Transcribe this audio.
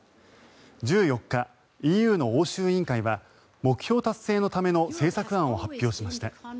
１４日、ＥＵの欧州委員会は目標達成のための政策案を発表しました。